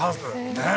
ねえ。